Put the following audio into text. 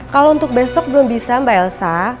kalo untuk besok belum bisa mba elsa